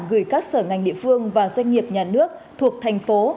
gửi các sở ngành địa phương và doanh nghiệp nhà nước thuộc thành phố